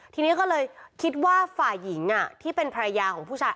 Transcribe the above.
ทีนี้ก็เลยคิดว่าฝ่ายหญิงที่เป็นภรรยาของผู้ชาย